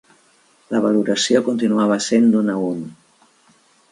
La valoració continuava sent d'un a un.